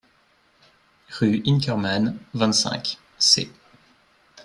rue Inkermann, vingt-cinq, c.